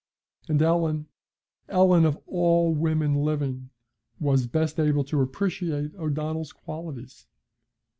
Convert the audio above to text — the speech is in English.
And Ellen Ellen, of all women living, was best able to appreciate O'Donnell's qualities.